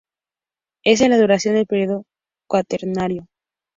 Esa es la duración del periodo cuaternario.